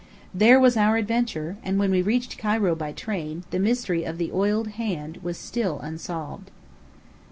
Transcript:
There was our adventure; and when we reached Cairo by train, the mystery of the oiled hand was still unsolved.